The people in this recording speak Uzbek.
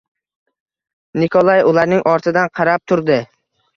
Nikolay ularning ortidan qarab turdi